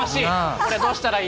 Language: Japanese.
俺はどうしたらいい？